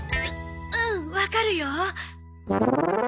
ううんわかるよ。